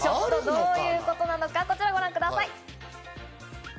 どういうことなのか、こちらをご覧ください。